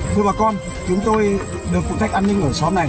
thưa bà con chúng tôi được phụ trách an ninh ở xóm này